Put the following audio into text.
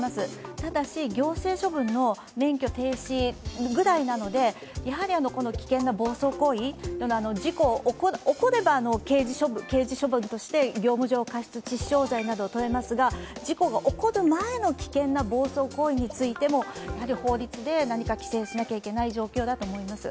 ただし、行政処分の免許停止ぐらいなので、やはり、この危険な暴走行為事故が起これば刑事処分として業務上過失致死傷罪などがとれますが事故が起こる前の危険な暴走行為についてもやはり法律で規制しなきゃいけない状況だと思います。